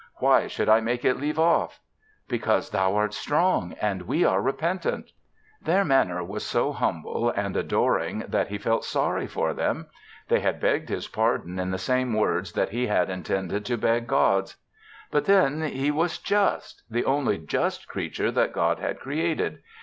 Why should I make it leave off?" "Because thou art strong and we are repentant." Their manner was so humble and adoring that he felt sorry for them. They had begged his pardon in the same words that he had intended to beg God's. And then he was just the only just creature that God had created.